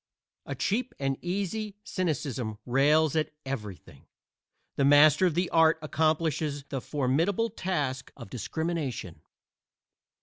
A cheap and easy cynicism rails at everything. The master of the art accomplishes the formidable task of discrimination.